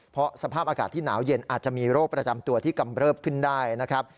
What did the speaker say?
เพราะสภาพอากาศที่หนาวเย็นอาจจะมีโรคประจำตัวที่กำเริบขึ้นได้นะครับ